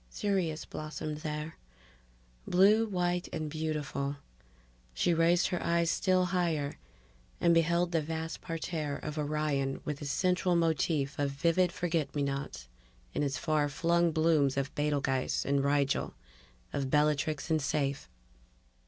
Sirius blossomed there, blue white and beautiful. She raised her eyes still higher and beheld the vast parterre of Orion with its central motif of vivid forget me nots, its far flung blooms of Betelguese and Rigel, of Bellatrix and Saiph